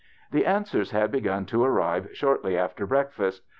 The answers had begun to arrive shortly after breakfast.